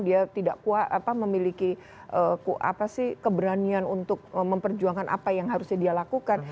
dia tidak memiliki keberanian untuk memperjuangkan apa yang harusnya dia lakukan